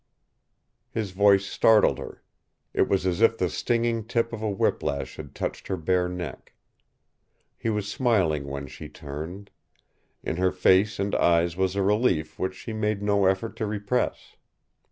His voice startled her. It was as if the stinging tip of a whip lash had touched her bare neck. He was smiling when she turned. In her face and eyes was a relief which she made no effort to repress.